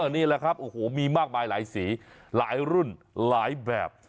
นี่แหละครับโอ้โหมีมากมายหลายสีหลายรุ่นหลายแบบ